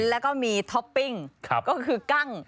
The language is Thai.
แล้วก็มีท็อปปิ้งก็คือกั้ง